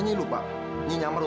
jangan kurangkan tak mak